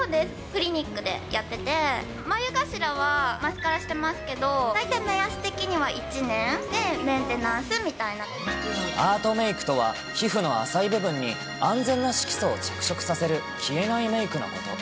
クリニックでやってて、眉頭はマスカラしてますけど、大体、目安的には１年で、アートメークとは、皮膚の浅い部分に安全な色素を着色させる消えないメークのこと。